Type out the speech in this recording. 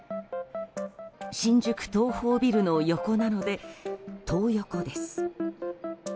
新宿東宝ビルの横なのでトー横です。